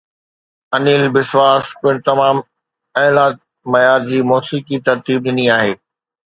انيل بسواس پڻ تمام اعليٰ معيار جي موسيقي ترتيب ڏني آهي.